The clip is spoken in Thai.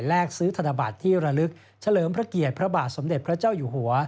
ซื้อธนบัตรที่ระลึกเฉลิมพระเกียรติพระบาทสมเด็จพระเจ้าอยู่หัว